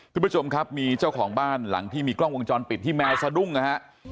คุณผู้ชมครับมีเจ้าของบ้านหลังที่มีกล้องวงจรปิดที่แมวสะดุ้งนะฮะ